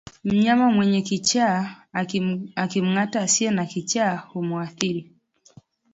Mnyama mwenye kichaa akimngata asiye na kichaa humuathiri